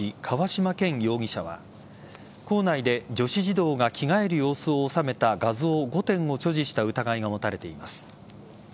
河嶌健容疑者は校内で、女子児童が着替える様子を収めた画像５点を所持した疑いが持たれています。